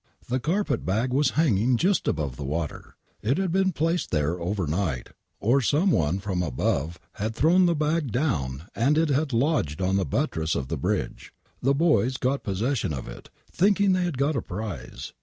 The carpet bag was hanging just above the water ! It had been placed there over night, or some one from above had thrown the bag down and it had lodged on the buttress of the bridge. The boys got possession of it, thinking they had got a pyze